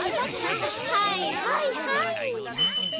はいはいはい。